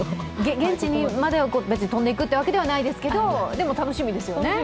現地までは別に飛んでいくというわけではないですけど、でも楽しみですよね。